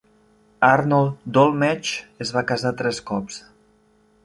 Arnold Dolmetsch es va casar tres cops.